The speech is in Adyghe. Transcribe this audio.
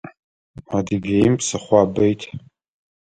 Адыгеим псыхъуабэ ит.